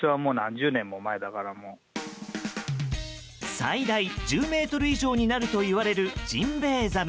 最大１０ｍ以上になるといわれるジンベエザメ。